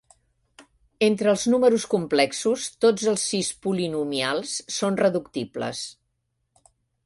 Entre els números complexos, tots els sis polinomials són reductibles.